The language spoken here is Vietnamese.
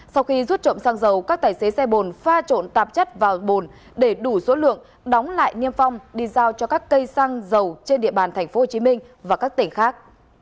sau khi rút trộm xăng dầu các tài xế xe bồn pha trộn tạp chất vào bồn để đủ số lượng đóng lại niêm phong đi giao cho các cây xăng dầu trên địa bàn tp hcm và các tỉnh khác